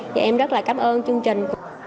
và em rất là cảm ơn chương trình